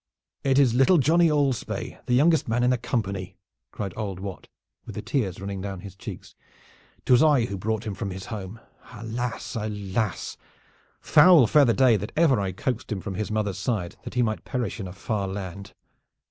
"It is little Johnny Alspaye, the youngest man in the company," cried old Wat, with the tears running down his cheeks, "'Twas I who brought him from his home. Alas! Alas! Foul fare the day that ever I coaxed him from his mother's side that he might perish in a far land."